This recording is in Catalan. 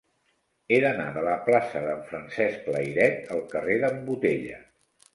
He d'anar de la plaça de Francesc Layret al carrer d'en Botella.